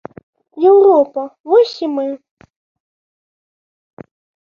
Еўропа, вось і мы.